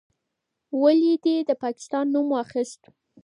ولې دې د پاکستان نوم واخیست؟